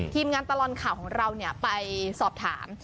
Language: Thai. ทีมงานตลอดข่าวของเราไปสอบถาม